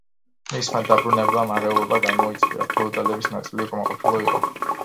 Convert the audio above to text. მისმა დაბრუნებამ არეულობა გამოიწვია, ფეოდალების ნაწილი უკმაყოფილო იყო.